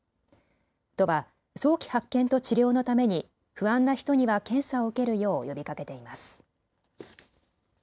都は早期発見と治療のために不安な人には検査を受けるよう呼びかけています。